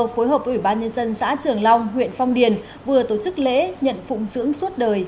phối hợp với ủy ban nhân dân xã trường long huyện phong điền vừa tổ chức lễ nhận phụng dưỡng suốt đời